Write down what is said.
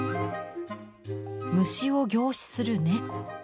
虫を凝視する猫。